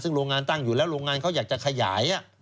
ซึ่งโรงงานตั้งอยู่แล้วโรงงานเขาอยากจะขยาย